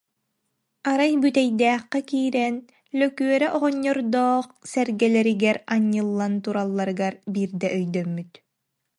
Арай Бүтэйдээххэ киирэн, Лөкүөрэ оҕонньордоох сэргэлэригэр анньыллан туралларыгар биирдэ өйдөммүт